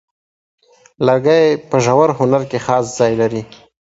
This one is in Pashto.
لرګی په ژور هنر کې خاص ځای لري.